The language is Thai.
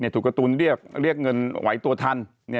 ถูกการ์ตูนเรียกเงินไหวตัวทัน